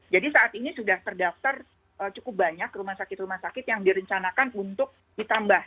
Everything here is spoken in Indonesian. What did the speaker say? jadi saat ini sudah terdaftar cukup banyak rumah sakit rumah sakit yang direncanakan untuk ditambah